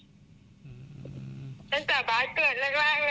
มิ้นอยู่กับบาสตั้งแต่ตอนที่ว่าหนูอ่ะอยู่กับพ่อของบาสเลย